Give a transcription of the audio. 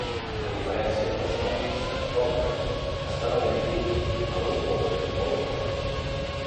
A diferència dels còmics Transformers, estava dirigit a un públic molt jove.